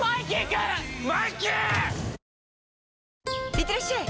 いってらっしゃい！